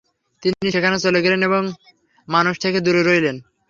তিনি সেখানে চলে গেলেন এবং মানুষ থেকে দূরে রইলেন।